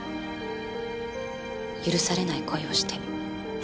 許されない恋をして。